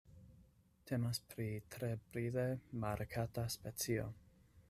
Temas pri tre brile markata specio.